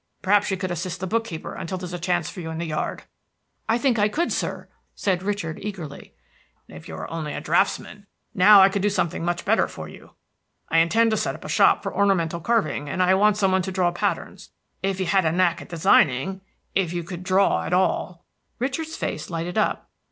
Perhaps you could assist the book keeper until there's a chance for you in the yard." "I think I could, sir," said Richard eagerly. "If you were only a draughtsman, now, I could do something much better for you. I intend to set up a shop for ornamental carving, and I want some one to draw patterns. If you had a knack at designing, if you could draw at all" Richard's face lighted up.